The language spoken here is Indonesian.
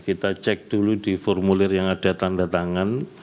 kita cek dulu di formulir yang ada tanda tangan